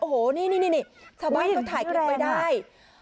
โอ้โหนี่ชาวบ้านเขาถ่ายคลิปไว้ได้